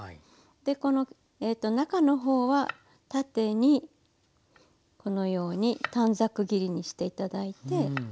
でこの中の方は縦にこのように短冊切りにして頂いて。